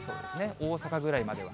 大阪ぐらいまでは。